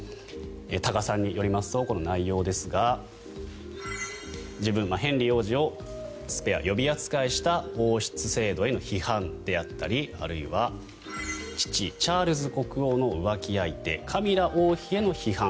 多賀さんによりますとこの内容ですが自分、ヘンリー王子をスペア、予備扱いした王室制度への批判であったりあるいは父・チャールズ国王の浮気相手カミラ王妃への批判。